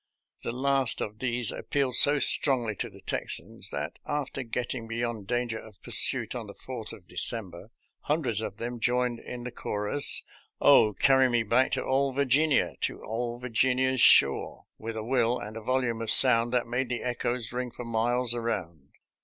The last of these appealed so strongly to the Texans that, after getting be yond danger of pursuit on the 4th of December, hundreds of them joined in the chorus, " Oh, carry me back to ole Virginia, to ole Virginia's shore !" with a will and a volume of sound that made the echoes ring for miles around.